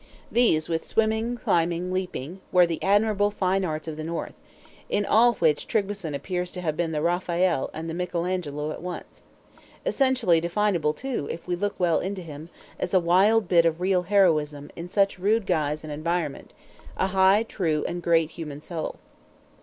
These, with swimming, climbing, leaping, were the then admirable Fine Arts of the North; in all which Tryggveson appears to have been the Raphael and the Michael Angelo at once. Essentially definable, too, if we look well into him, as a wild bit of real heroism, in such rude guise and environment; a high, true, and great human soul.